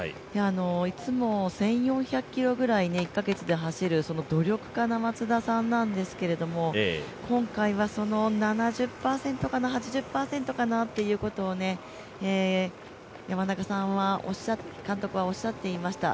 いつも１４００ｋｍぐらい、１か月で走る努力家の松田さんなんですが今回は７０％かな、８０％かなっていうことをね、山中監督はおっしゃっていました